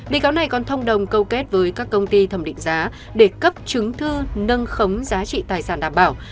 bị cáo này còn thông đồng câu kết với các công ty thẩm định giá để cấp chứng thư nâng khống giá trị tài sản đảm bảo